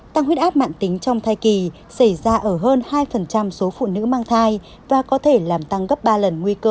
tăng huyết áp mạng tính trong thai kỳ xảy ra ở hơn hai số phụ nữ mang thai và có thể làm tăng gấp ba lần nguy cơ